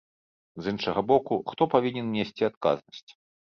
З іншага боку, хто павінен несці адказнасць?